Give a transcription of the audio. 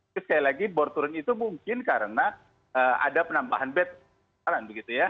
tapi sekali lagi bor turun itu mungkin karena ada penambahan bed sekarang begitu ya